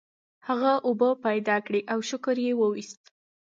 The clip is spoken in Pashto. هغه اوبه پیدا کړې او شکر یې وویست.